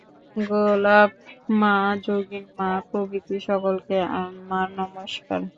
গোলাপ-মা, যোগীন-মা প্রভৃতি সকলকে আমার নমস্কার।